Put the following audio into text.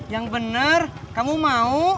yang bener kamu mau